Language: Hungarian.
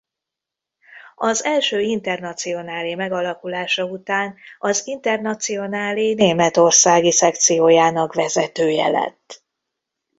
Az első Internacionálé megalakulása után az Internacionálé németországi szekciójának vezetője lett.